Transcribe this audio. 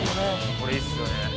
「これいいですよね」